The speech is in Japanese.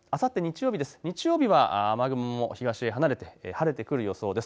日曜日は雨雲も東へ離れて晴れてくる予想です。